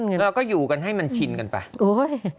เราก็อยู่กันให้มันชินกันไป